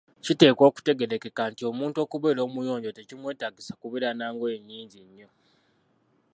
Kiteekwa okutegeerekeka nti omuntu okubeera omuyonjo tekimwetaagisa kubeera na ngoye nnyingi nnyo.